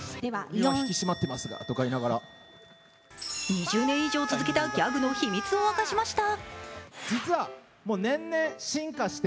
２０年以上続けたギャグの秘密を明かしました。